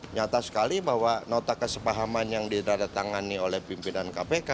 nyata sekali bahwa nota kesepahaman yang didatangani oleh pimpinan kpk